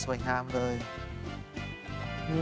สีอย่างนี้โอเคใช่ไหมคะเชน